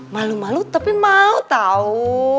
malu malu tapi mau tahu